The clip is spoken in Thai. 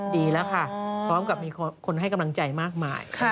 ดีแล้วค่ะพร้อมกับมีคนให้กำลังใจมากมาย